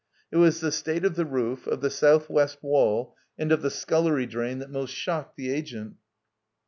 It was the state of the roof, of the south west wall, and of the scullery drain that most shocked the agent.